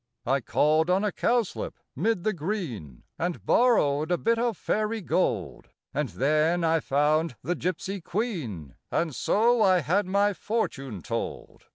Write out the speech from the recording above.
I called on a cowslip 'mid the green, And borrowed a bit of fairy gold, And then I found the gypsy queen, And so I had my fortune told.